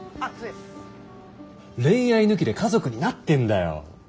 恋愛抜きで家族になってんだよ。